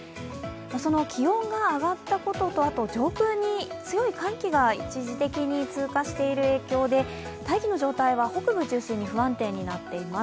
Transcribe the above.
その気温が上がったことと、上空に強い寒気が一時的に通過している影響で大気の状態は北部中心に不安定になっています。